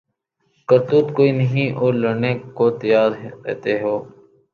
کرتوت کوئی نہیں اور لڑنے کو تیار رہتے ہو